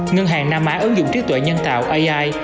ngân hàng nam á ứng dụng trí tuệ nhân tạo ai